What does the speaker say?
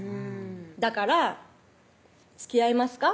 「だからつきあいますか？